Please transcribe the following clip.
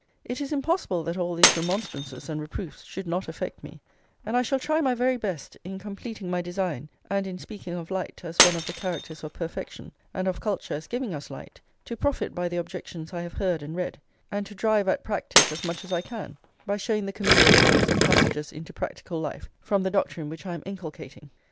It is impossible that all these remonstrances and reproofs should not affect me, and I shall try my very best, in completing my design and in speaking of light as one of the characters of perfection, and of culture as giving us light, to profit by the objections I have heard and read, and to drive at practice as much as I can, by showing the communications and passages into practical life from the doctrine which I am inculcating.